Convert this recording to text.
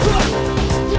kau harus hafal penuh ya